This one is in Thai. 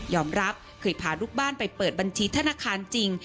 รับเคยพาลูกบ้านไปเปิดบัญชีธนาคารจริง